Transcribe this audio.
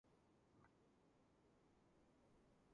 ზღვის წყალმცენარეები ერთუჯრედიანი და მრავალუჯრედიანი ფორმებია.